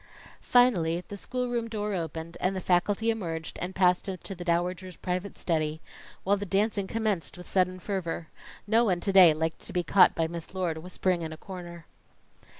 Finally, the schoolroom door opened, and the faculty emerged and passed into the Dowager's private study, while the dancing commenced with sudden fervor. No one to day liked to be caught by Miss Lord whispering in a corner.